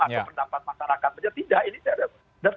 atau pendapat masyarakat tidak ini tidak ada